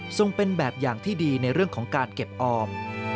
เป็นแบบอย่างที่ดีในเรื่องของการเก็บออม